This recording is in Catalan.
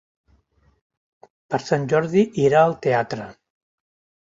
Per Sant Jordi irà al teatre.